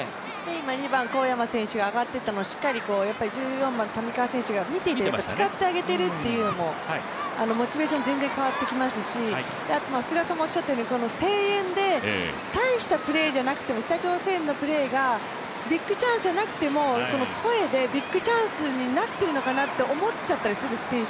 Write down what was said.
今、２番・小山選手が上がっていったのを１４番・谷川選手が見ていて使ってあげているというのも、モチベーション、全然変わってきますし、福田さんもおっしゃったように声援で大したプレーじゃなくても北朝鮮のプレーがビッグチャンスじゃなくても声でビッグチャンスになっているのかなって選手は思っちゃったりするんです。